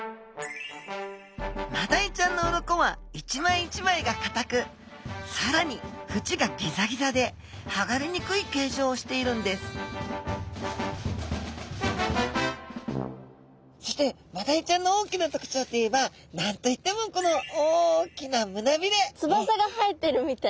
マダイちゃんの鱗は一枚一枚がかたくさらにフチがギザギザではがれにくい形状をしているんですそしてマダイちゃんの大きな特徴といえば何と言ってもこの大きなつばさが生えてるみたい。